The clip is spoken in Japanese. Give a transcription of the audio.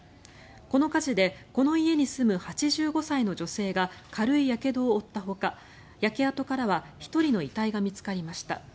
この火事でこの家に住む８５歳の女性が軽いやけどを負ったほか焼け跡からは１人の遺体が見つかりました。